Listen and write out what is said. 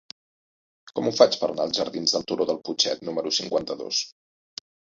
Com ho faig per anar als jardins del Turó del Putxet número cinquanta-dos?